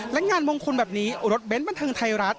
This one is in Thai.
และงานวงคลแบบนี้อรดเบนท์บนทางไทยรัฐ